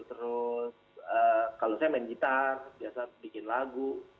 terus kalau saya main gitar biasa bikin lagu